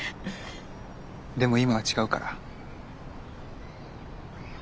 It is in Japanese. でも今は違うから。